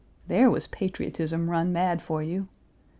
There was patriotism run mad for you!